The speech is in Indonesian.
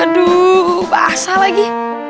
aduh basah lagi